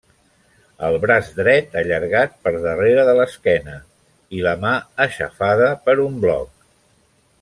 El braç dret allargat per darrere de l'esquena i la mà aixafada per un bloc.